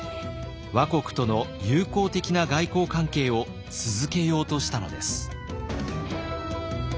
倭国との友好的な外交関係を続けようとしたのです。